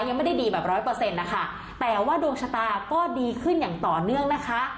ยังไม่ได้ดีแบบร้อยเปอร์เซ็นต์นะคะแต่ว่าดวงชะตาก็ดีขึ้นอย่างต่อเนื่องนะคะ